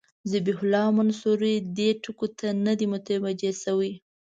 ذبیح الله منصوري دې ټکي ته نه دی متوجه شوی.